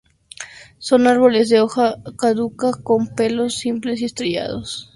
Son árboles de hoja caduca con pelos simples o estrellados.